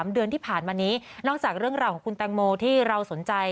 เดือนที่ผ่านมานี้นอกจากเรื่องราวของคุณแตงโมที่เราสนใจ